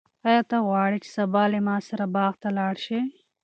آیا ته غواړې چې سبا له ما سره باغ ته لاړ شې؟